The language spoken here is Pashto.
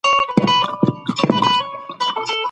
موږ باید د نړۍ چاپیریال وساتو.